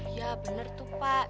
iya bener tuh pak